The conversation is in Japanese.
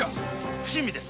不審火です。